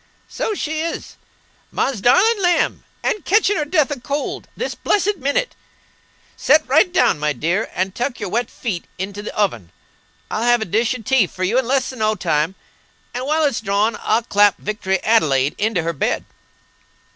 "So she is! Ma's darlin' lamb! and ketehin' her death a cold this blessed minnit. Set right down, my dear, and tuck your wet feet into the oven. I'll have a dish o' tea for you in less 'n no time; and while it's drawin' I'll clap Victory Adelaide into her bed."